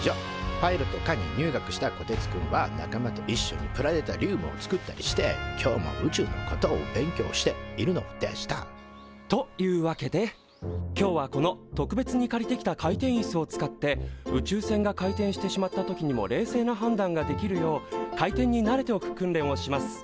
パイロット科に入学したこてつくんは仲間といっしょにプラネタリウムを作ったりして今日も宇宙のことを勉強しているのでしたというわけで今日はこの特別に借りてきた回転いすを使って宇宙船が回転してしまった時にも冷静な判断ができるよう回転に慣れておく訓練をします。